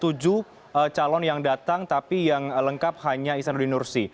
tujuh calon yang datang tapi yang lengkap hanya ihsanuddin nursi